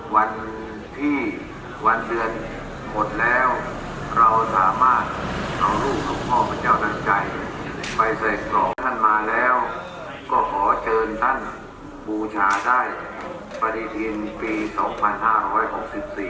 วันที่วันเดือนหมดแล้วเราสามารถเอารูปหลวงพ่อพระเจ้าทันใจไปเสด็จกรองท่านมาแล้วก็ขอเชิญท่านบูชาได้ปฏิทินปีสองพันห้าร้อยหกสิบสี่